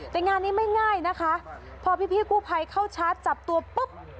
แต่งานนี้ไม่ง่ายนะคะพอพี่กู้ภัยเข้าชาร์จจับตัวปุ๊บ